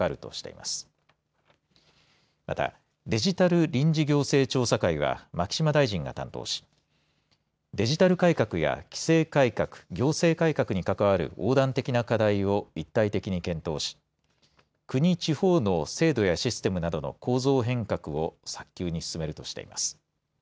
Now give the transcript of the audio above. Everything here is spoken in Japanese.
またデジタル臨時行政調査会は牧島大臣が担当しデジタル改革や規制改革、行政改革に関わる横断的な課題を一体的に検討し国・地方の制度やシステムなどの構造変革を早急に進めるとしています。